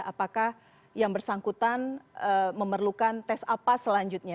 apakah yang bersangkutan memerlukan tes apa selanjutnya